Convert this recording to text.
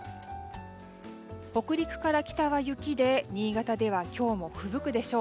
北陸から北は雪で新潟では今日もふぶくでしょう。